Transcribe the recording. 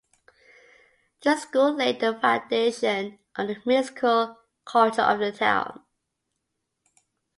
This school laid the foundation of the musical culture of the town.